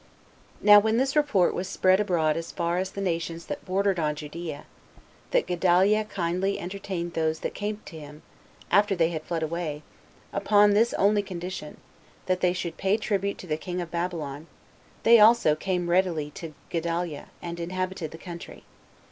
3. Now when this report was spread abroad as far as the nations that bordered on Judea, that Gedaliah kindly entertained those that came to him, after they had fled away, upon this [only] condition, that they should pay tribute to the king of Babylon, they also came readily to Gedaliah, and inhabited the country.